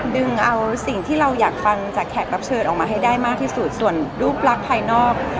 ดึงเอาสิ่งที่เราอยากฟังจากแคตอัพเชิร์โดยดูบลักษณ์ภายนอก